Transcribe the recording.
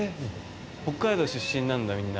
北海道出身なんだ、みんな。